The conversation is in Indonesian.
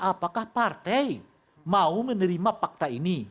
apakah partai mau menerima fakta ini